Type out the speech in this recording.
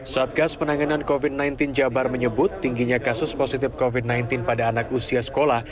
satgas penanganan covid sembilan belas jabar menyebut tingginya kasus positif covid sembilan belas pada anak usia sekolah